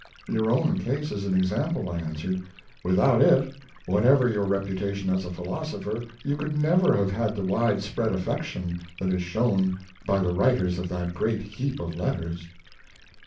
"Your own case is an example," I answered. "Without it, whatever your reputation as a philosopher, you could never have had the wide spread affection that is shown by the writers of that great heap of letters."